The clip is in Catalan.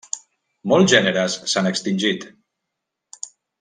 Molts gèneres s'han extingit.